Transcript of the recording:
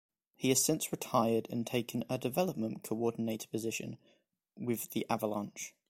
He has since retired and taken a development coordinator position with the Avalanche.